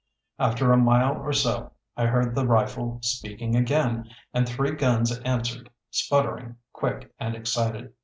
After a mile or so I heard the rifle speaking again, and three guns answered, sputtering quick and excited.